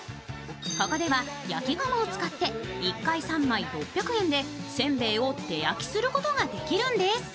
ここでは焼き窯を使って１回３枚６００円でせんべいを手焼きすることができるんです。